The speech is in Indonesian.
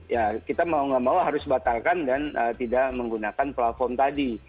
ya kita mau nggak mau harus batalkan dan tidak menggunakan platform tadi